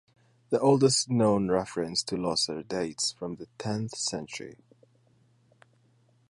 The oldest known reference to Losser dates from the tenth century.